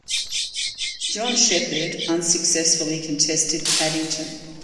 John Shepherd unsuccessfully contested Paddington.